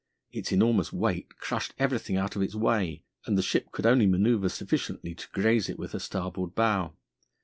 Its enormous weight crushed everything out of its way, and the ship could only manoeuvre sufficiently to graze it with her starboard bow.